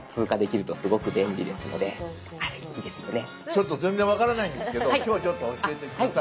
ちょっと全然分からないんですけど今日はちょっと教えて下さい。